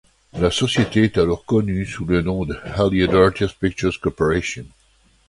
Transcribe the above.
La société est alors connue sous le nom Allied Artists Pictures Corporation.